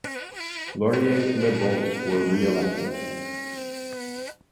Laurier's Liberals were re-elected.